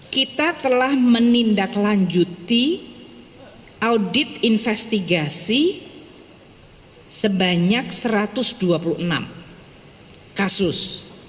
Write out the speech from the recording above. kita telah menindaklanjuti audit investigasi sebanyak satu ratus dua puluh enam kasus